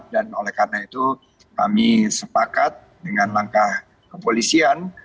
dan oleh karena itu kami sepakat dengan langkah kepolisian